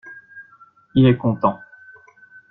Il est content.